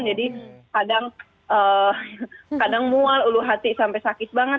jadi kadang kadang mual ulu hati sampai sakit banget